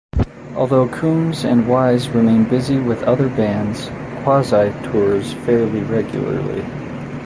Although Coomes and Weiss remain busy with other bands, Quasi tours fairly regularly.